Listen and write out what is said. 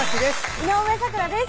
井上咲楽です